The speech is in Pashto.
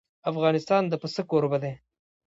افغانستان د پسه کوربه دی.